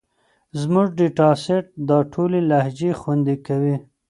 زموږ ډیټا سیټ دا ټولې لهجې خوندي کوي.